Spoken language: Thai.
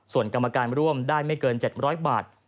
ส่วนกรรมการร่วมได้ไม่เกิน๗๐๐บาท